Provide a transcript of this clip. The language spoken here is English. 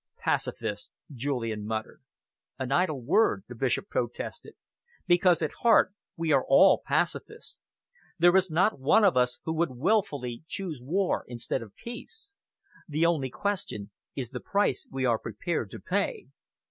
"Pacifists!" Julian muttered. "An idle word," the Bishop protested, "because at heart we are all pacifists. There is not one of us who would wilfully choose war instead of peace. The only question is the price we are prepared to pay."